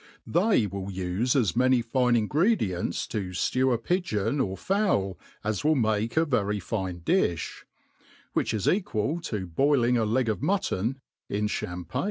They will ufe as many fine Ingredients to ftew a pigeon^ or fowl, as will make a very fine difii, which is equal to 'bojUng a leg of mutton in champaign.